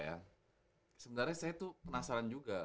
ya sebenarnya saya tuh penasaran juga